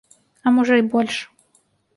А можа, і больш.